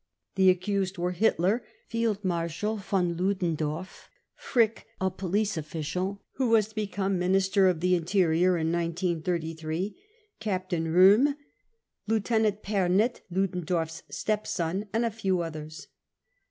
53 The accused were : Hitler ; Field Marshal von Ludendorff ; Frick, a police official, who was to become Minister of the* Interior in 1933; Captain Rohm; Lieutenant Fernet, LudendorfFs stepson ; and a few others.